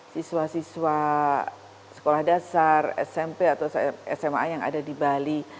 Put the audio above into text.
siswa siswa sekolah dasar smp atau sma yang ada di bali